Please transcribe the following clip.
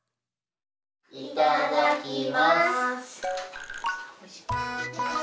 いただきます！